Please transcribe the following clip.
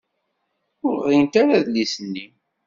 Ur ɣrint ara adlis-nni.